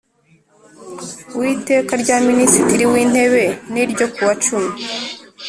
w Iteka rya Minisitiri w Intebe n ryo kuwa cumi